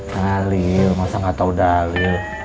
dalil masa nggak tahu dalil